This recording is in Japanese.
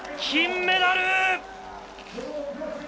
金メダル！